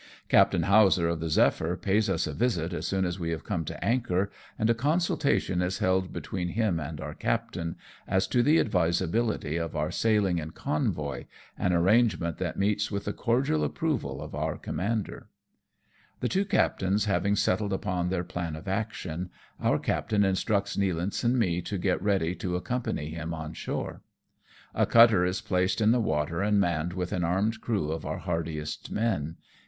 Captain Hawser of the Zephyr pays us a visit as soon as we have come to anchor, and a consultation is held between him and our captain, as to the advisability of our sailing in convoy, an arrangement that meets with the cordial approval of our commander. 230 AMONG TYPHOONS AND PIRATE CRAFT. The two captains having settled upon their plan of action, our captain instructs Nealance and me to get ready to accompany him on shore. A cutter is placed in the water and manned with an armed crew of our hardiest men.